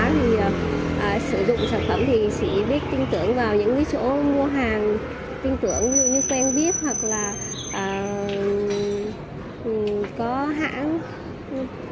thì sử dụng sản phẩm thì chỉ biết tin tưởng vào những cái chỗ mua hàng tin tưởng như quen biết hoặc là có hãng